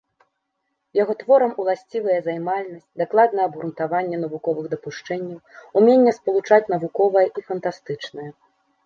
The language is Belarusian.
Яго творам уласцівыя займальнасць, дакладнае абгрунтаванне навуковых дапушчэнняў, уменне спалучыць навуковае і фантастычнае.